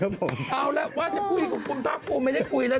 เอาล่ะว่าจะคุยกับคุณภาคภูมิไม่ได้คุยแล้ว